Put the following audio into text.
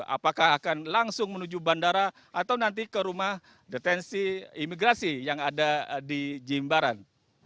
apakah akan langsung menuju bandara atau nanti ke rumah detensi imigrasi yang ada di jimbaran